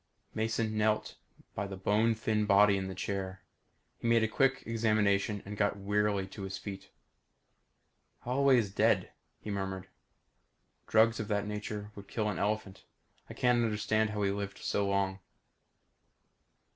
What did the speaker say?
Mason knelt by the bone thin body in the chair. He made a quick examination and got wearily to his feet. "Holloway is dead," he murmured. "Drugs of that nature would kill an elephant. I can't understand how he lived so long."